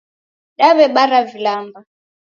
Daw'ebara vilamba